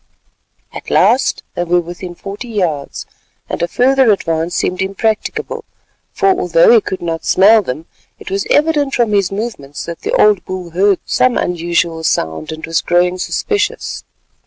At last they were within forty yards, and a further advance seemed impracticable; for although he could not smell them, it was evident from his movements that the old bull heard some unusual sound and was growing suspicious.